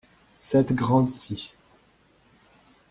Cette grande-ci.